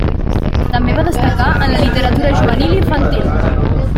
També va destacar en la literatura juvenil i infantil.